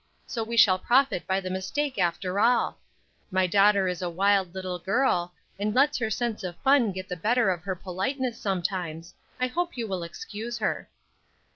So we shall profit by the mistake after all. My daughter is a wild little girl, and lets her sense of fun get the better of her politeness sometimes; I hope you will excuse her."